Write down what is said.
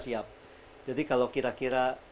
siap jadi kalau kira kira